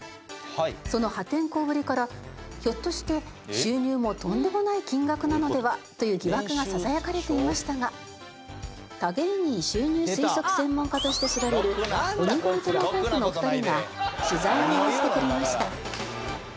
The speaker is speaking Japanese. その破天荒ぶりからひょっとして収入もとんでもない金額なのでは？という疑惑がささやかれていましたが他芸人収入推測専門家として知られる鬼越トマホークのお二人が取材に応じてくれました。